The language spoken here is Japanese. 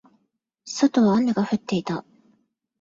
外は雨が降っていた。